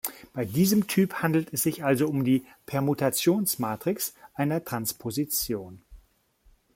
Bei diesem Typ handelt es sich also um die Permutationsmatrix einer Transposition.